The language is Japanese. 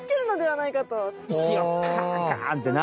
石をカンッカンッてな。